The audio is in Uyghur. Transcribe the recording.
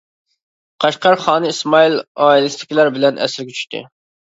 قەشقەر خانى ئىسمائىل ئائىلىسىدىكىلەر بىلەن ئەسىرگە چۈشتى.